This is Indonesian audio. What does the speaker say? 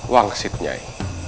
wang sit nyai